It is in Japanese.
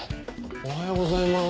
おはようございます。